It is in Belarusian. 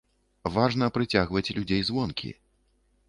Важна прыцягваць людзей звонкі.